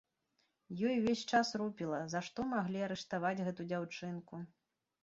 Ёй увесь час рупіла, за што маглі арыштаваць гэту дзяўчынку.